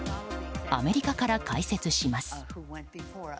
アメリカから解説します。